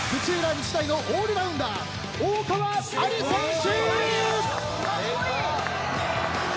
日大のオールラウンダー大川亜哩選手。